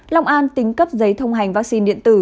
long an tính cấp giấy thông hành vaccine điện tử